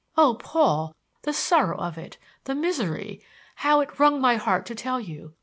"Oh, Paul! The sorrow of it! The misery! How it wrung my heart to tell you!